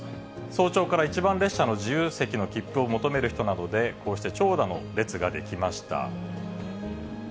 早朝から一番列車の自由席の切符を求める人などで、こうして長蛇の列が出来ました。